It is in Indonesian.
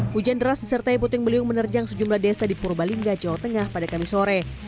hujan deras disertai puting beliung menerjang sejumlah desa di purbalingga jawa tengah pada kamis sore